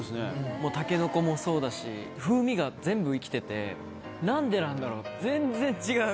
もうタケノコもそうだし、風味が全部生きてて、なんでなんだろう、全然違う。